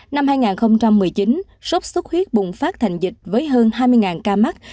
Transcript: năm hai nghìn một mươi chín sốt xuất huyết bùng phát thành dịch với hơn hai mươi ca mắc